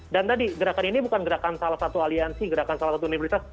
dan tadi gerakan ini bukan gerakan salah satu aliansi gerakan salah satu universitas